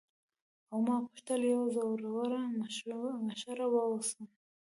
او ما غوښتل یوه زړوره مشره واوسم.